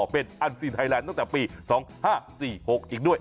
เป็นอันซีนไทยแลนด์ตั้งแต่ปี๒๕๔๖อีกด้วย